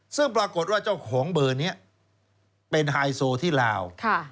ซึ่งปรากฏว่าเจ้าของเบอร์นี้เป็นไฮโซที่ลาว